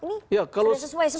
ini sudah sesuai semua